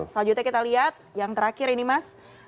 selanjutnya kita lihat yang terakhir ini mas